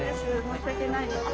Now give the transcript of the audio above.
申し訳ないです。